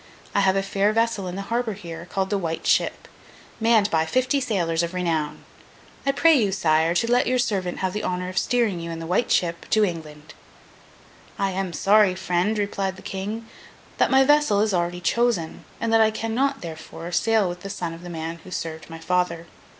I have a fair vessel in the harbour here, called The White Ship, manned by fifty sailors of renown. I pray you, Sire, to let your servant have the honour of steering you in The White Ship to England!' 'I am sorry, friend,' replied the King, 'that my vessel is already chosen, and that I cannot (therefore) sail with the son of the man who served my father.